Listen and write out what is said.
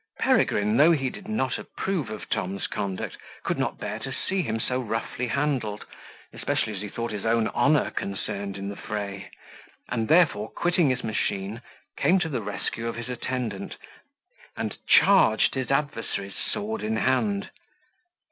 Peregrine, though he did not approve of Tom's conduct, could not bear to see him so roughly handled, especially as he thought his own honour concerned in the fray; and therefore, quitting his machine, came to the rescue of his attendant, and charged his adversaries sword in hand.